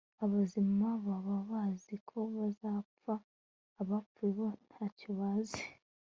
abazima baba bazi ko bazapfa; abapfuye bo, nta cyo bazi